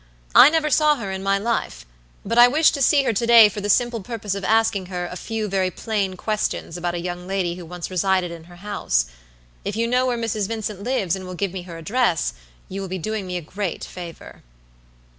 I never saw her in my life; but I wish to see her to day for the simple purpose of asking her a few very plain questions about a young lady who once resided in her house. If you know where Mrs. Vincent lives and will give me her address, you will be doing me a great favor."